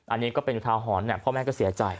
อันนี้ก็เป็นท้าหอนเนี่ยพ่อแม่ก็เสียใจ